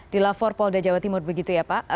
di lapor polda jawa timur begitu ya pak